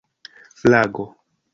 flago